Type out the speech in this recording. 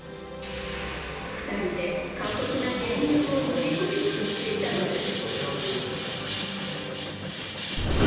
２人で過酷な減量を乗り越えようとしていたのです。